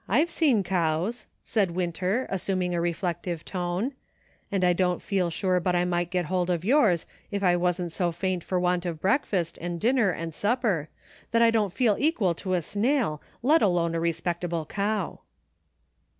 " I've seen cows," said Winter, assuming a re^ flective tone, "and I don't feel sure but I might get hold of yours if I wasn't so faint for want of breakfast, and dinner, and supper, that I don't feel equal to a snail, let alone a respectable cow."